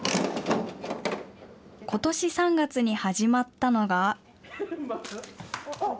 ことし３月に始まったのが。